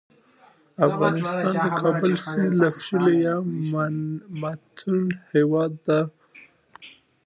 افغانستان د کابل سیند له پلوه یو متنوع هیواد دی.